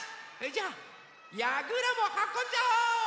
じゃあやぐらもはこんじゃおう！